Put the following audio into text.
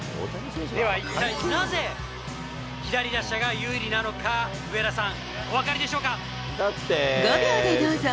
では一体なぜ、左打者が有利なのか、上田さん、５秒でどうぞ。